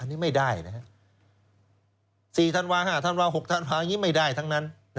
อันนี้ไม่ได้๔ธันวาห์๕ธันวาห์๖ธันวาห์อันนี้ไม่ได้ทั้งนั้น